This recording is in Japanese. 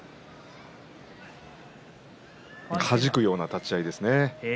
はじくような立ち合いですね。